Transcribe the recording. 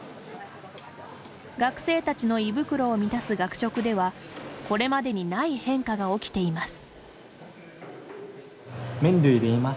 学生たちの胃袋を満たす学食ではこれまでにない変化が起きています。